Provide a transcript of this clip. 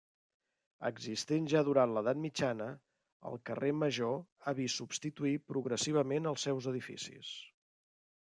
Existent ja durant l'Edat mitjana, el carrer Major ha vist substituir progressivament els seus edificis.